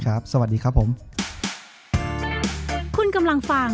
จบการโรงแรมจบการโรงแรม